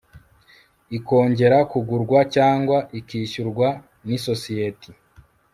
ikongera kugurwa cyangwa ikishyurwa n isosiyeti